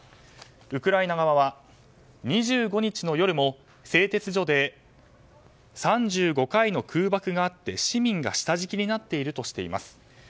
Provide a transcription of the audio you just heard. ウクライナ側は２５日の夜も製鉄所で３５回の空爆があって、市民が下敷きになっているとしています。